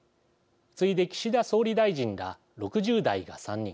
次いで岸田総理大臣ら６０代が３人。